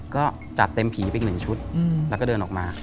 ก็จัดเต็มผีไปอีกหนึ่งชุดแล้วก็เดินออกมา